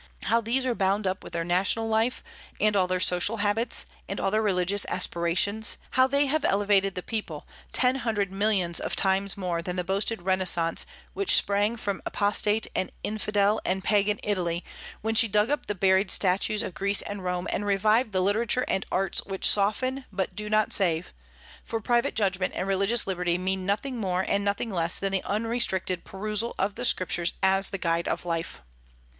How these are bound up with their national life, and all their social habits, and all their religious aspirations; how they have elevated the people, ten hundred millions of times more than the boasted Renaissance which sprang from apostate and infidel and Pagan Italy, when she dug up the buried statues of Greece and Rome, and revived the literature and arts which soften, but do not save! for private judgment and religious liberty mean nothing more and nothing less than the unrestricted perusal of the Scriptures as the guide of life.